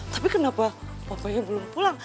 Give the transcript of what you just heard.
tapi kenapa bapaknya belum pulang